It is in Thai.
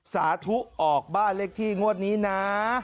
สาธุออกบ้านเลขที่งวดนี้นะ